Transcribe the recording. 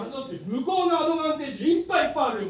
向こうのアドバンテージいっぱいいっぱいあるよ！